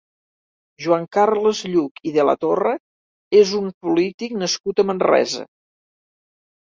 Joan Carles Lluch i de la Torre és un polític nascut a Manresa.